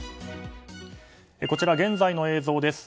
こちら、現在の映像です。